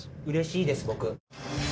うれしいです僕。